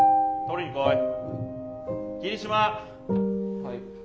はい。